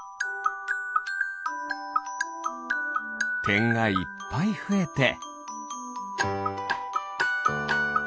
てんがいっぱいふえて。